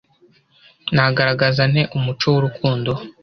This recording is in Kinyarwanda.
nagaragaza nte umuco w urukundo